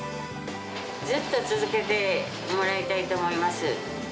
ずっと続けてもらいたいと思います。